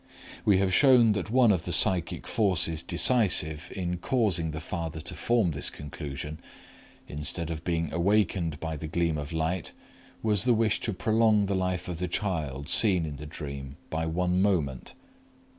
We have shown that one of the psychic forces decisive in causing the father to form this conclusion, instead of being awakened by the gleam of light, was the wish to prolong the life of the child seen in the dream by one moment.